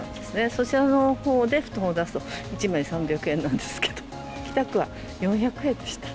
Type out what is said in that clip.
そちらのほうで布団を出すと、１枚３００円なんですけど、北区は４００円でした。